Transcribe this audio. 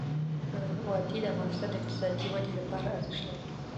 وادي د افغانستان د اقتصادي ودې لپاره ارزښت لري.